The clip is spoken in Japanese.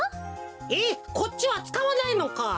えっこっちはつかわないのか。